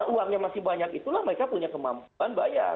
uangnya masih banyak itulah mereka punya kemampuan bayar